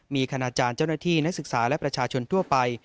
มีคณาจารย์เจ้าหน้าที่นักศึกษาและประชาชนทั่วไป